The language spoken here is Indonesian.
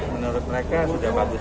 menurut mereka sudah bagus